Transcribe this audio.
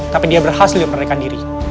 tapi dia berhasil yang menerikan diri